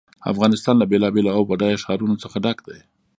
افغانستان له بېلابېلو او بډایه ښارونو څخه ډک دی.